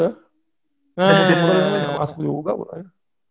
yang mudah mula masuk juga